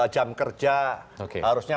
jam kerja harusnya